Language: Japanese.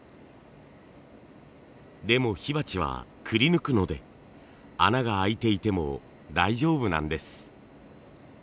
でも火鉢はくり抜くので穴が開いていても大丈夫なんです。